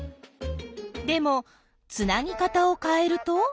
でもつなぎ方をかえると？